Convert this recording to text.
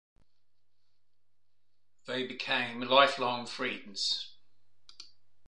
They became lifelong friends.